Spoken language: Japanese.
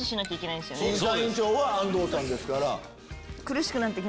審査員長は安藤さんですから。